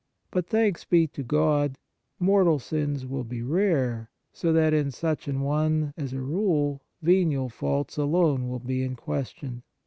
But, thanks be to God, mortal sins will be rare, so that, in such an one, as a rule, venial faults alone will be in question.